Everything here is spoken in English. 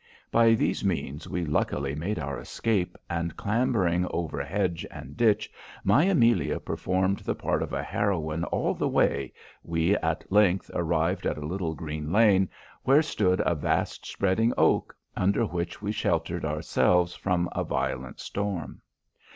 By these means we luckily made our escape, and clambring over hedge and ditch, my Amelia performing the part of a heroine all the way, we at length arrived at a little green lane, where stood a vast spreading oak, under which we sheltered ourselves from a violent storm.